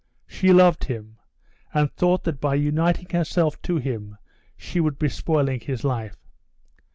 She loved him, and thought that by uniting herself to him she would be spoiling his life.